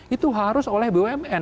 itu harus oleh bumn